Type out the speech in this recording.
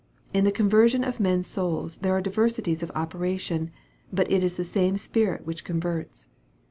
In the conversion of men's souls there are diversities of operation, but it is the same Spirit which converts.